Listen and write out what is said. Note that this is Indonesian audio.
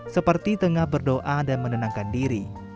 seperti tengah berdoa dan menenangkan diri